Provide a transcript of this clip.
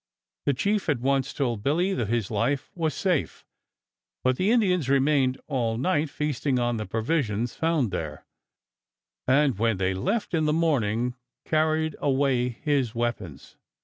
The chief at once told Billy that his life was safe; but the Indians remained all night, feasting on the provisions found there, and when they left in the morning carried away his weapons.